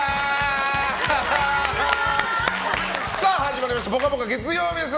始まりました「ぽかぽか」月曜日です。